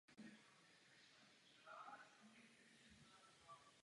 Žebříčky jsou zveřejňovány včetně skautských recenzí.